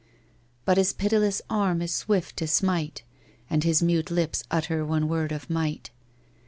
But his pitiless arm is swift to smite; And his mute lips utter one word of might.